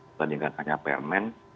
dibandingkan hanya permen